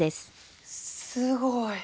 すごい。